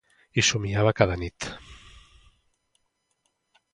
Hi somiava cada nit.